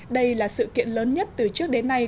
đây là sự kiện lớn nhất từ trước đến nay